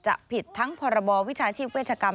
ผิดทั้งพรบวิชาชีพเวชกรรม